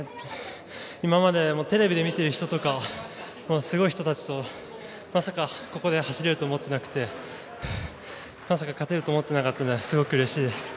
今まで、テレビで見ている人とかすごい人たちとここで走れるとは思っていなくてまさか勝てると思ってなかったのですごくうれしいです。